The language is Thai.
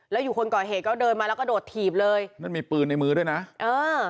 แล้วอยู่คนก่อเหตุก็เดินมาแล้วก็โดดถีบเลยนั่นมีปืนในมือด้วยนะเออ